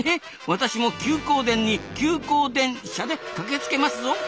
私も休耕田に急行電車で駆けつけますぞ。